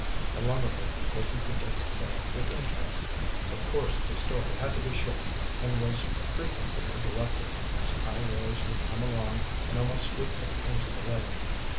The lumberman listened to Dick's tale with interest. Of course the story had to be short, and was frequently interrupted, as high waves would come along and almost sweep them into the lake.